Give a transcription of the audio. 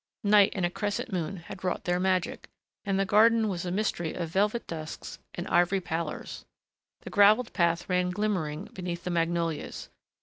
Night and a crescent moon had wrought their magic, and the garden was a mystery of velvet dusks and ivory pallors. The graveled path ran glimmering beneath the magnolias.